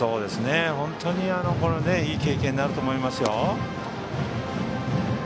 本当にいい経験になると思いますよ。